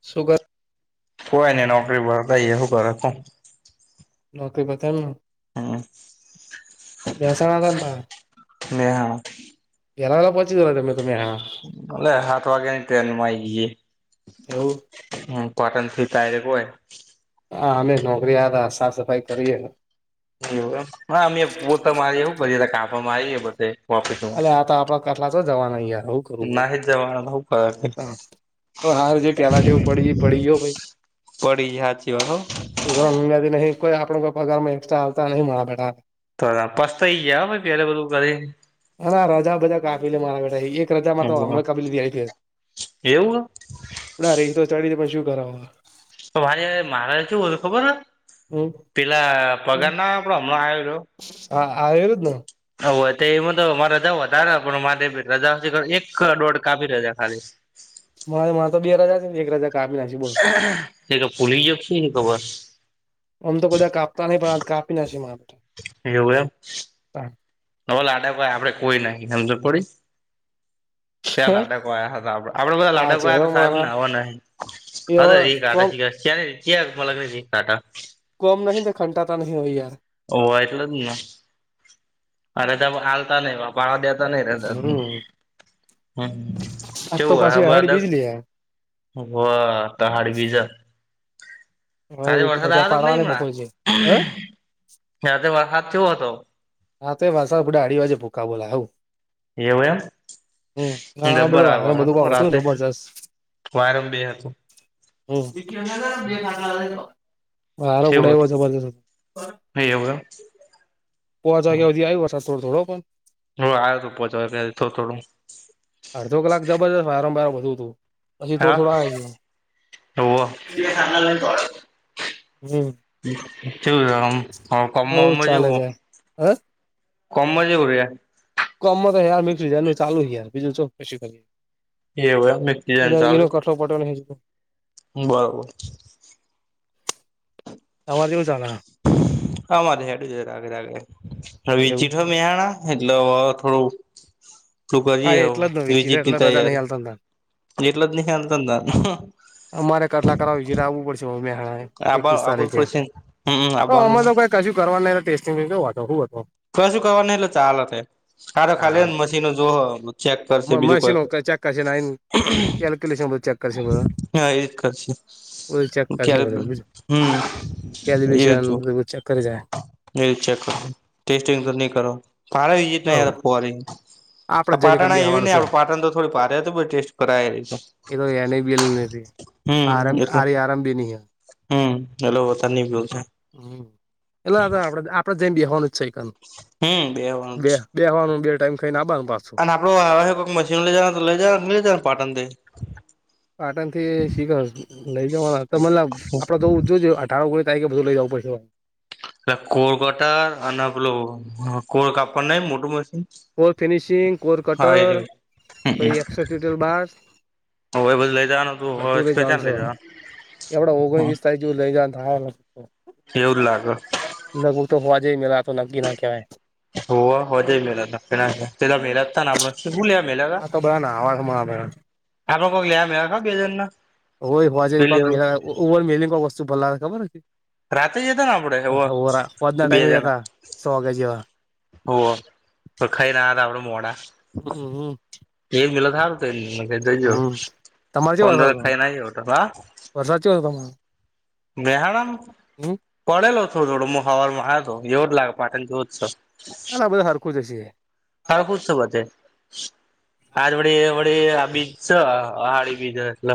Sugar કોઈ નને નોકરી ભરતાઈ એવું કર નોકરી બતાને હમ મહેસાણા પાહે ને હા એનાલા પહોચી ગમે તમે હ લે સાત વાગ્યાની ટ્રેનમાં આઇ ગયે એવું હ કોટન [unintelligible] હોય હા અમે નોકરીયા હતા સાફ સફાઈ કરીએ એવુ એમ હા અમે પોતા મારીએ એવુ કરીયે કાપડ મારીએ બધ અ આ તો આપણા ઘરના તો જવા નાહી જ જવાના તો હું કરે [unintelligible] હ હાર જે પેલા એવું પડી પડી ગયો ભાઈ પડી ગ્યા હા હાચી વાત છે વા હો ધો મદી નહી કોઈ આપણો કો પગારમાં એક્સ્ટ્રા આવતા નહી મળણા બેા તો પસ તો યા ભાઈ પરે બરું કે હા ના રજા બધા કાફિલે મારા બેઠા એક રજામાં તો હમણાં કાફિલીથીય છે એવું ના રે તો ચડી પણ શું કરાવો તો ભરે મહારાજ [unintelligible] ખબર હમ પેલા પગારના હમણાં આયો છુ હા એ એવુજ ને હ હોવે તો એમાં તો મા રજા વધારે પણ મારે રજા એક દોઢ કાપી રજા ખાલી મા મા તો બે હજાર છે એક રજાર તે તો ભૂલી ગ્યા કે સુ ની ખબર અમ તો કદા કાપતા નહીિ પણાી ના મારા માટે એવું એમ લડા કો આપડે કોઈ નાહી સમજ પડી ત્યાં લાડક વાયા હતા આપડે બધા હા લાડકયા ચલો હતા સાહેબ ને મારા આવો ન એ અ હવે રી ક આટ કોમ શી રી ત મલાગને રી ક આટ કોમ નહી તો ખંટા તો નહી હોય યાર ઓ એટલે જ ને અરે ત હાલતા નહ બાપ પાણા દેતા નહી ર હમ હમ આજ તો કેવું હય પાછી હ અહાડી બાદક બીજ લે વાહ ક હાડ બીજ સાથે હવે વરસાદ રજા આવ્યો હતો પાડવાને નહિમાં બપોર છે હ જ વરસાદ થયો હતો હા તો વાલસા બધા અઢી વાજે ભૂકા બોલા હું એવું એમ હમ હા બડું હમણાં ભાઈ બધું રાતે ખ વરસાદ કેવો હતો જબ્બર આવ્યો વરસાદ શું રાતે જબરજસ્ત વાયરમ બે હતું [unintelligible] રો ઉડાવ્યો જબરજસ્ત હ એવું કે પોચ વાગેયા શુધી આવી વરદ થો થોડો પણ. હ આવ્યો તોું પહોચ થ થોડું. અડધો કલાક જબરજસ્ત વારંવાર બધું હતું. હજી થોડા હા થોડા આયા જ હ. હોવ હમ. [unintelligible] હવ ચાલે જાય હ કોમ જેવું રે કમ તો યાર મિકસ જાય એ ચાલુ યાર બીજું ચો કશું કરીએ. એવ મક્ જ ચાલ. છો પટઈ જો. બરોબર. તમારું કેવું ચાલેહ આમાંરે હેડું જ રાગે રાગે એવું વિચીઠો મહાણા એટલે થોડું. ું હા કરી હ એટલે જ ન વિચીરે એટલે વિજીની રજા નહીં તૈયારી હાલતા તા જેટલા નહ ખ્યા ત. અમારે કટલા કર વિજ આવવું પડશે મમમે હણા. આબા એકવીસ આબુ તારીખે પડશે હમ તો આવવાનું અમાર તો કઈ કશું કરવા ટેસ્ટિંગ શું હતો. ક શું કરવા ન એટલે ચાલલે થ ખારો ખાલી તાણ ને મશીનો જો. ચેક કરશે બીજું કોઈ. મશીનો ચેક કરશે ને આઈને કેલ્ક્યુલેશન બધું ચેક કરશે બધું હા એ રજ કરશે. બધું ચેક કરશે ક્યારે બધું હમ એ કેલ્ક્યુલેશન રીતું. બધું ચેક કરી જાય એ ચેક ટેસ્ટિંગ તો નહી કરો હવ ભડીતયાર ફરી. આપડે આ જરીક પાટણ એવી બેહવાનું નહી છે આપડે પાટણ તો થોડી પારે હત ટેસ્ટ કરાયેલી છે. આરભ આરે આરામભી નહી હ. હમ હલોતા નની બલશે. હમ એટલે આપડ આપડે જેમ બેવાનું જ છે ક હમ બેવાનું બે. છે બેવાનું બે ટાઈમં ના બાંધ પાછો. અને આપડું કોઈક મશીન લઈ જ તો લઈ જ લઈ જ ને પાટનથી? આટણ થી શીખ લઈ જવાના મ આપડે જો જોજ તાવું કરી ત કે બધું લઈ જાવ પછસો. એટ કોર કટર અને બેલો કોર કાપડ નહી મોટર મશીન. કોર ફિનિશિંગ કોર હા એ કટર રહ્યું ક એલ બસ. હવે બધું લઈ જવાનું તું હવે બધું લ જાણ ક્યાં છો લઈ જવાનું આપડા ઓગણી વીસ તારીખ. જો લઈ જતા હ. એવું લાગ. લઘુ તો હોવા જ મેરા તો નકીિ ના કવાય. હો હો જ મેલત પેલા મેલાતાને આપડ. શું લ્યા મલા કા? આ તો બધા નાહવામાં આવે આ લ્યા મેલા ક બેજનના. હોય હોવાજ કોક ઓવ મેલી કોઈક વસ્તુ ભલ લાગે ખબર? રાતે જતા ને આપડે ઓ હોરા હોજના બે ટાઈમે જણા. જતા સો વાગ્યા જેવા હો તો ખાઈ ના આપડ મોડા. હમ હમ. એ જ મિલત હાર તો એ હમ તમારે કો કેવો દ હતો ખઈ નાટ હા. વરસાદ કયો હતો તમારો. ગ્રહણં? હમ. પડેલો છો થોડો મ હવાર મા હતો એવ જ લાગે પાટણ જો જ. હ આ બધું સરરખું જ હશે. હળખું જ છ આજ વડે વડે આ બીચ છેહાડી બીજ. લ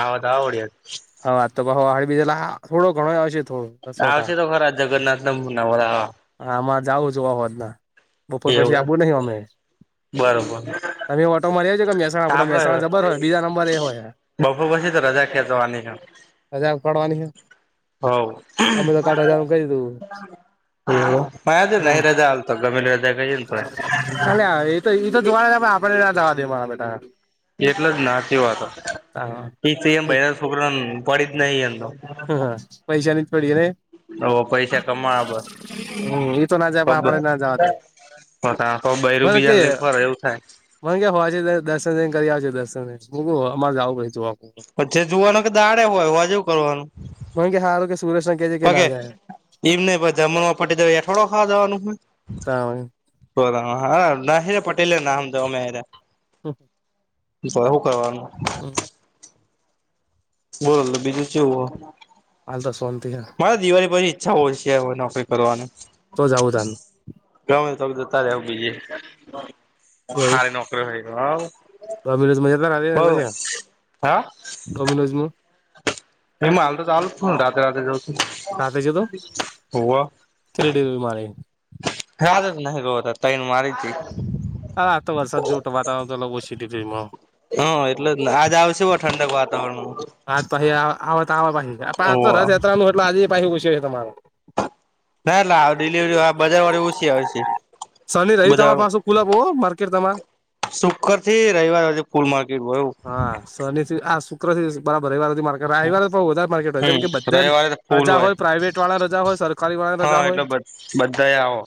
આવ તો આવ આવડ. હા તો બ હળ બીજે થો ઘણો આવશે થોડો. સોટા આવશે તો ખરા જગન્નાથ નાના. આમાં જાવું જોવા હોતના, બપોર પછી એવું આપુ નહિ અમે. બરોબર તમે ઓટો માં ર છો કે મહેહસાણા આપડ મહેસાણા જબર હોય બીજા નંબર એ હોય. બફો પછી તો રજા ખેંચવાની છે. હજા પડવાની છે? હ અમે તો કાલ રજાનું કહી દીધું એજ હમ નરાજજાલ [unintelligible] તો ગમેલ ત ક એ [unintelligible] એઈ તો જોવા આપડે ના્યા જવા દેવા બેટા. એટલો જ નાતી વાતો, હા પ એમ ભાઈ છોકરાને પડી જ નહી એમ. પૈસાાની જ પડી ગ ને. ઓ પૈસા કમાવા એ તો ના જાય પણ પડ આપડે ના જવા દે [unintelligible] પણ આતો બરું બીજાને લે ફરે એવું થાય મન કે હોજે દર્શનને કરી આવજે દર્શન ને [unintelligible] મારે જાવું પડશે જોવા પછછ જોવાનું કે દાડે હોય હોજે હુ કરવાનું [unintelligible] સુરેશ ને કે જે કે ના જાય ઈમ ની પણ જમણમાં ફટ દઈને ખાવાં ખાવા જવાનું હો તાણ [unintelligible] હા, હા નાહી પટેલર નામ દમેરા હ ભવું કરવાનું બોલ બીજું શું હ હાલતો શોનંતી હ મારે દિવાળી પછી ઈચ્છા હોય છે નોકરી કરવાની તો જાઉ જા ગમે તો તો તારે આવું બીજે એવું સારી નોકરી હોય બઉ હા [unintelligible] એમાં હાલ તો ચાલ છું રાતેે રાતેે જઉ છું કતે છે તો હોવ કેલી ડેરી મારી રા જ ન તૈને મારી હતી આ તો વર્ષાદ જેવું વાતાવરણ લોબો સિટી જેમો હા, એટલે જ આજ આવશે હો ઠંડક વાતાવરણમાં આ જ પાછી આવ તો આવ પછી રથયાત્રાનુંટલો આજ પાછી ઉછી તમા હેના ડીલિવરી બજાર વાળી ઓછી હોય છે બજાર ખુલાબો માર્કેટ તમારે સુુકર થી રવિવાર આજે ફૂલ માર્કેટ ભરુ શનિ થી આ શુક્ર થી બરાબર રવાર મા રાહી વાળ તો વધારે માર્કેટ હોય હમ જેમ કે બધા રવિવારે તો ફૂલ રજા હોય પ્રાાઈવેટ વાળા રજા હોય સરકારી વાળા હા રજા હોય બધા આવો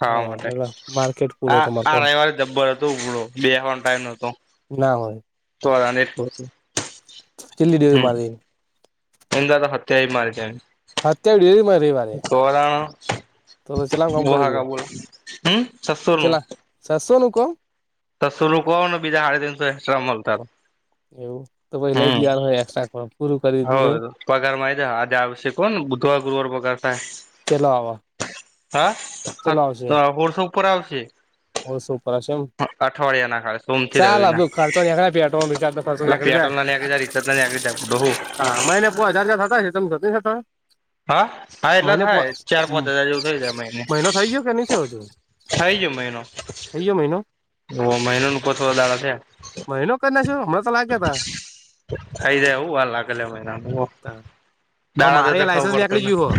હા માટે એટલે માર્કેટ હ પૂરો તમારે આ તો રવિવારે જબ્બર હતો ઉપડ બેવાનો ટાઈમ ન હતો ના હોય તોને જ કેટલી ડેરી હમ મારી એ હ હત્યાય મારીને હ હત્યા વિ એ મારે મારે કોરાણ કરી બુહા દઉં કાબુલ હમ સસુર નું શશો ન ક તો સુલું કોણ બીજા સાડ તીનસો એક્સ્ટ્રા મળત એવું તો પછી લઈ જ લેવાનું એા હ પગારમાં આજે આવશ્યક કોન બુધવા ગુરુવાર પગાર થાય ચલો આવ હા હ હોર્સો ઉપર આવશે ઓ સુંપ પ્રશમ અઠવાડિયા ના ખાળે સોમથી રવ ના ખર્ચો નીકળે પેટ્રોલ રિચાર્જ નો ખર્ચો એ નીકળી જાય પટોલ નાની આી રીત ના આગી ત બહુ હા મહિને પો હજાર હજાર થતા હ તમે જ નતા હા હા એટલા થાય ચાર પાંચ હજાર જેવું થઈ જાય મહ એને મહિનો થઈ ગયો કે નહી થાય જ મહિનો અયો મહિનો ઓ મહિનો ન કો થો દાર છે મહિનો કરી નાખ્યો હમણાં તો લાગ્યા થાઈ જાયવું વા લાગેલ મહિનાનું તા હવે દાણા તો તો મારે ખવું લાયસન્સ પડતો નીકળી ને ગયું હો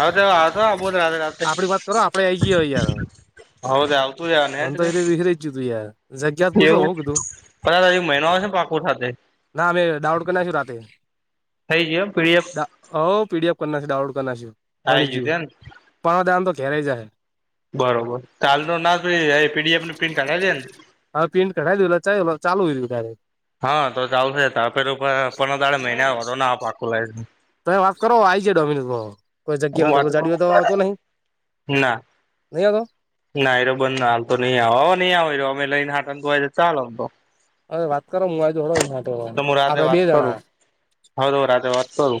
હવે તો હબોદ રાત્રે આપડી વાત કરો આપડે આઈ ગયા યાર હદ આવત જ મને તો ને એ વિસરી જ ગયું તું યાર જગ્યાત પૂછો એવું હું કીધું પ મહિનોઓ છે ને પાકો સાથે ના અમે ડાઉડ કર ના શું રાતે થઈ જયો પીડીએફ હ પીડીએફ કરનાશે ડાઉનલોડ કરના છે આવી બની ગયું તેમ પણ આ દાન તો ઘેરાય જશે બરોબર તો હાલ ન ના પીડીએફ પ્રિન્ટ કાઢી દે ને હા પેંન્ટ કઢાવ દી ચાલ ચાલુયું ત હા તો ચાલશે ત પેલું પ તડ મહિના વધો ના પાકું લાવ તમે વાત કરો આઈ છે ડોમિનસ ભ કોઈ જગ્યા હો તો કો વાત ગાડીઓ તો આવતો નહી ના નહી આવતો ના એરો બંધને હાલ તો નઈ આવે હવે નહી આવે્યો અમે લઈને હાટ તો ચાલોમ તો અરે વાત કરો હું આજ તોું રાતેે વાત કરું હદ રાત્રે વાત કરું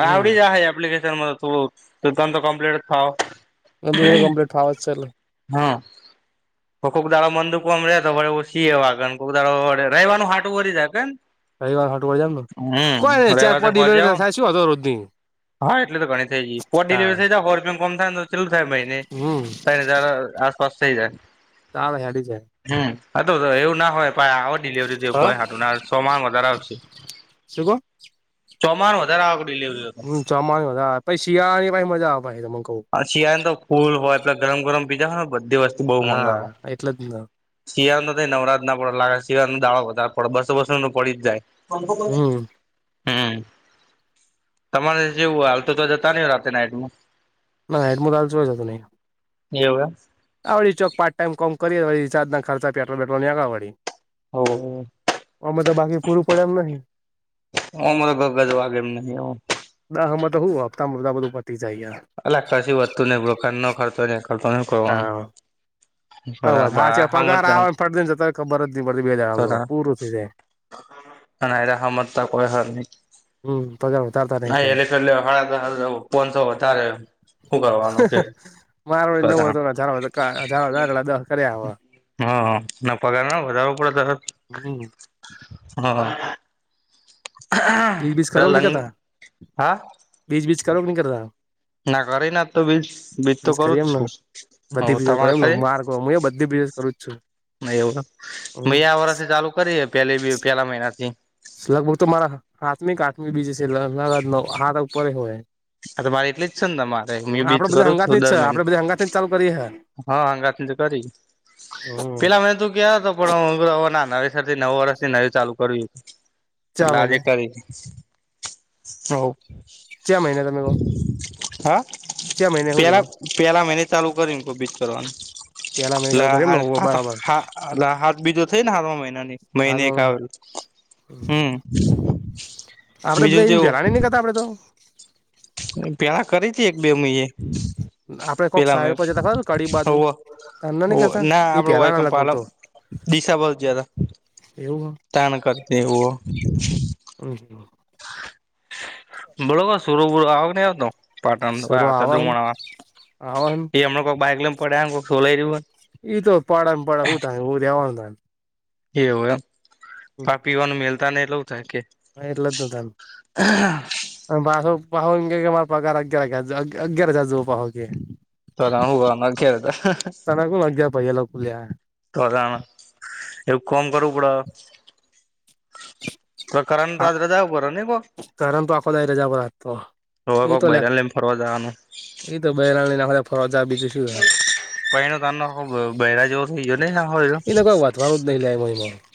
આ હમ આવડી જાય એપ્લિકેશન મ તું ત ત તો કમ્પ્લીટ થાવ ક્પ્લેટ ફાવવા ચાલલે હા કોઈક દાડો મંદુકોમ રેતોે સી એવા કોઈક દાડોડે રહેવાનું હાટું વરી જાયને રવવાર ફટળ જામ ને કોઈ નહી ચાર રવિવાર તો પાંચ પહોંચી ડિલરી આવો થાય શું હતો રોજની હા એટલે તો ઘણી થઈ ગાય પોટ ડિલિવરી તાણ થ જાય હોર મ થાયને તો ચાલુ થાય મહિને હમ ત તાર આસપાસ થઈ જાય તાળ હડી છેાય હમ એવું ના હોય પ આવ ડિલિવરીું હ કય હું સોર શું કો ચોમાણ વધારે આવક લે હમ ચોમાસની મજા આવે પછ શિયાળની પા મજા આવે ભ ત કહ શિયાળ ને તો ફૂલ હોય પ ગરમ ગરમ બીજા હોય ને બધી વસ્તુ બહુ મંગાવ હા એટલે જ ને શિયાળ નો થ નવરાજ ના પડ લાગે શિયાળો દાળો વધારે પડે બસો બસ પડી જાય મનભ કો છે હમ [unintelligible] હમ તમારે જેવું હાલ તો તો જતા નહ હો રાતે નાઈટમાં ના એટું લાલચ જ નહી એવું આડી ચોક પાર્ટ ટાઈમ કોમ કરીએ હસાદના ખર્ચા પેટ્રોલટો નેગાળી ઓ પૂરું પડે એમ નહિ હ મરો ગધું વાગે એમ નહી દા હમમાં તો હું હપતા મૃદા બધું પતી જાય અ કશી વધતું નઈ બોક નો ખર્ચો ન ખતો ન કરવાનું તા હદ હા ચ પગાર સમજદાર આવ પડદન જ બર નની બ બેદમ પૂર થઈે [unintelligible] ના એ રાખત ત કોઈ હલ નકી હમ. [inaudible] ના એલે કેટલે હળ પોનસો વધારે. શું કરવાનું કે મારો નવો બધા હતોલા કર્યા હ. હા ના પગાર ના વધારો પડે. હમ. હા બીજ ત લંગ હા. બીચ બીચ ક લોકહી કરતા ના કરી ના તો બીજ બીજ તો કરું કરી જ એમને છું હ બધી બીજો કરે તમારે એમને ખાઈ. માર્ગ હું એ બધી બિઝનેસ કરું જ છું એવ મે હમ આ વર્ષથી ચાલુ કરી પે પેલા મહિનાથી લગભગ તો મારા હાથમી કાથમી બીજ છે હાથ ઉપડ હોય. હ તો મારે એટલી જ છ મારે હું એ બી કરું છું દરમિન. ચાલ કરીરી હૈ. હા હંગાત તો કરી હમ પેલા મેં તું કે. પણ હું ના નવેસર થી નવું વર્ષ થી નવું ચાલુ કર્યું હતું. ચા એટલે આજે મહિને કરીે છે. ક મહિને તમે કહ. હા પેલા કીધું પેલા મેને ચાલુ કરીને કબીિત કરવાનું પેલા મહિને ચાલુ કરી એમ ને બરાબર લા હાથ બીજો થઈ ને હાતમાં મહિનાની મહિને એક આવે. હમ. [unintelligible] આપડે બીજું બધા એની જેવું પેલાની નહીંતા આપડે તો. પેલા કરી હતી એક બે મહિે. આપડે કોઈક સાઈડ પેલામાં પર જતા ખબર કડી બાજુ તમને નઈ કરતા ના એ આપડ પેલાના હોયકમ લગભગ પાલમ. તો દિશા બહત જદ એવું તણ કરતી હો. હમ. બોલોબર સુર બુર આવ નહી આવતો. સુરો આવન પાટણુમણામાં આવન એ હમને કોઈક બાઈક લ પડ્યા કોઈક સોલાઈ રહ્યું હોય. એ તો પાડ પડું ત ઉ તો એવાનું ત. એવું એમ પા પીવાનું મેલતા ને એ લઉવ થાય કે. હ એટલા તો તમ. ભ પહ કે મારા પગાર અગિયાર અગિયાર જા જવું પહો કે. તો હું કે હતા. તને કોણ અગિયાર પૈયા લઉ લ્યા તો એવું કોમ કરવું પડે. તોકારને હા તજરા દવું બ નહી ગહ. કરન તો આખો દાડી રજા પર હતો રવા એ કોક તો લે બરાને લમ ફરવા જવાનું. એ તો બહેરાણી નાખ ફરજ આવે બીજું. શું પનો ત આખો બહેરા જેવો થઈ ગયો નહી ના હો. [inaudible] [unintelligible]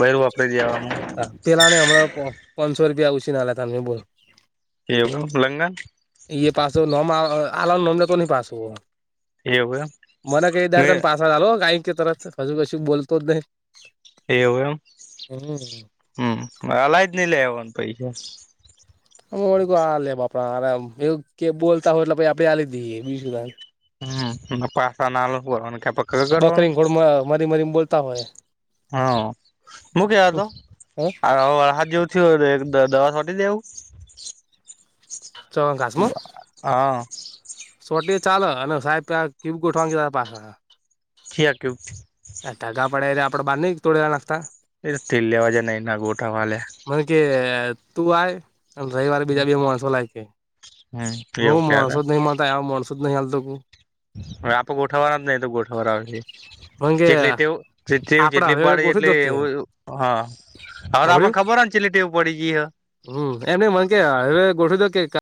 બર વાપરે દેવામાં. પેલા ને હમણાં પાંચસો રૂપિયા ઉછી ના લેતા બોલ. એવગ લગન. એ પાસ હો નોમ આલ નોમ તો નની પાસ હો. એવું એમ મને કઈ મે દાડ તન પાસા જાલ કઈ કે ત હજુ કશ બોતો જ નહી. એવું એમ. હમ હમ. અલાયજ નઈ લે આવવાનું પૈસા. હળ કો આ લે બાપડ કે બોલતા હોય એટલે આપે આ લીધી બી. હમ ના પાસાા ના ભ કે્યા પક કરો. મારી મરી બોલતા હોય. હા મુું કહેવા તો હે આ આહાર જો દવા સટી દેવ. ચણ બ ઘાસમાં હા. સોટી ચાલો અને સાહેબ કીબ ગોઠવાગે પાસે. કું હઢગા પડ્યા એ આપણે બહાર ન તોડે નાખતા. એ તેલ લવાજે ન ના ગોટા વાલે. મને કે તું આય અને રવિવારે બીજા બી માણસો લાય. હમ એવું હું ક્યારે માણસો નહી મળતા, માણસો જ નહી હાલતો. આપ ગોઠવવાના જ ન તો ગોઠવારાશે. મન કે જેટલી તેવું, આપડે જેટલી હળવે હળવે પાડે ગોઠવી એટલી દો કે એવું હા. [inaudible] હવે તો [unintelligible] આપડને ખબર જ લેટીવ પડી ગઈ હ. હમ્મ એમ મન કે હવે ગોઠવું દો કે.